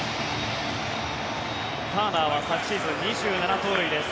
ターナーは昨シーズン２７盗塁です。